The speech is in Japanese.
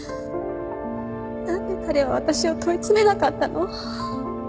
何で彼は私を問い詰めなかったの？